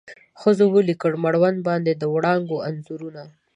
ښځو ولیکل مړوند باندې د وړانګو انځورونه